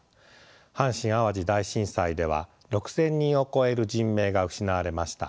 阪神・淡路大震災では６，０００人を超える人命が失われました。